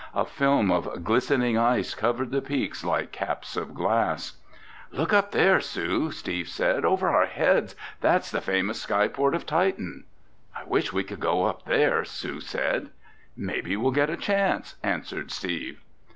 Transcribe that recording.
A film of glistening ice covered the peaks like caps of glass. "Look up there, Sue!" Steve said. "Over our heads! That's the famous skyport of Titan!" "I wish we could go up there!" Sue said. "Maybe we'll get the chance," answered Steve.